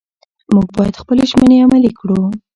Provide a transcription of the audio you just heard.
موږ باید خپلې ژمنې عملي کړو